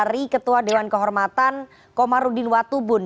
dari ketua dewan kehormatan komarudin watubun